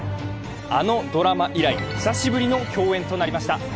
あのドラマ以来久しぶりの共演となりました。